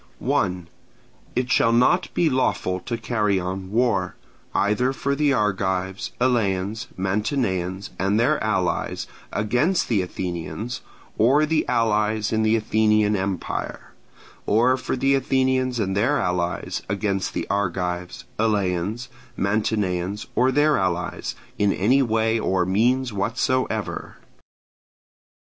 1. It shall not be lawful to carry on war, either for the Argives, Eleans, Mantineans, and their allies, against the Athenians, or the allies in the Athenian empire: or for the Athenians and their allies against the Argives, Eleans, Mantineans, or their allies, in any way or means whatsoever.